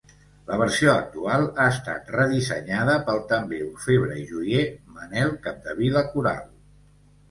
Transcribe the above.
La versió actual ha estat redissenyada pel també orfebre i joier Manel Capdevila Coral.